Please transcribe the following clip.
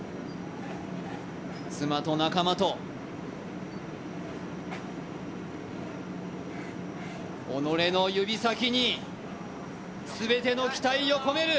妻と仲間と、己の指先に全ての期待を込める！